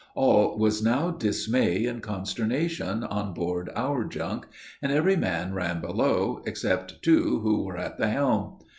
All was now dismay and consternation on board our junk, and every man ran below, except two who were at the helm.